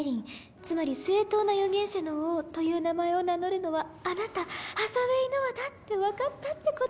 つまり正当な預言者の王という名前を名乗るのはあなたハサウェイ・ノアだって分かったってこと。